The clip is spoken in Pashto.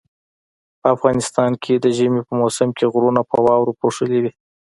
په افغانستان کې د ژمي په موسم کې غرونه په واوري پوښلي وي